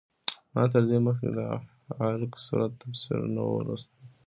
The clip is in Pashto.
ما تر دې مخکې د علق سورت تفسیر نه و لوستی.